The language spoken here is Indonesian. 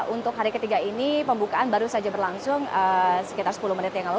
untuk hari ketiga ini pembukaan baru saja berlangsung sekitar sepuluh menit yang lalu